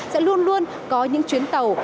sẽ luôn luôn có những chuyến tàu